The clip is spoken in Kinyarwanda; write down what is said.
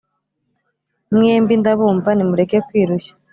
Mwembi ndabumva nimureke kwirushya.